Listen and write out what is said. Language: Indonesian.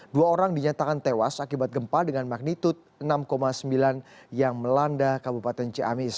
dua orang dinyatakan tewas akibat gempa dengan magnitud enam sembilan yang melanda kabupaten ciamis